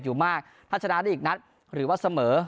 อยู่มากถ้าชนะได้อีกนัดหรือว่าเสมอ